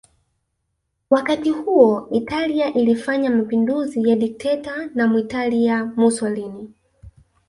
Wakati huo Italia ilifanya mapinduzi ya dikteta na Mwitalia Mussolini